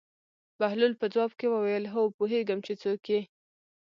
بهلول په ځواب کې وویل: هو پوهېږم چې څوک یې.